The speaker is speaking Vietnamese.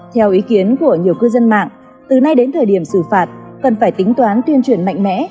theo ý kiến của nhiều cư dân mạng từ nay đến thời điểm xử phạt cần phải tính toán tuyên truyền mạnh mẽ